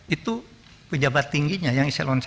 itu pejabat tingginya yang eselon satu